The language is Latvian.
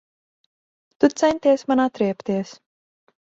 Tu centies man atriebties.